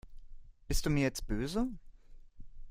Bist du mir jetzt böse?